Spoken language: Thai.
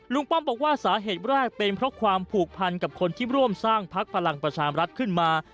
ป้อมบอกว่าสาเหตุแรกเป็นเพราะความผูกพันกับคนที่ร่วมสร้างพักพลังประชามรัฐขึ้นมา